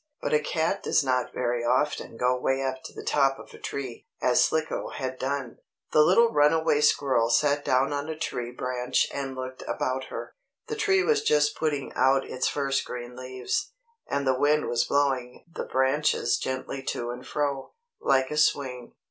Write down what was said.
But a cat does not very often go way up to the top of a tree, as Slicko had done. The little runaway squirrel sat down on a tree branch and looked about her. The tree was just putting out its first green leaves, and the wind was blowing the branches gently to and fro, like a swing.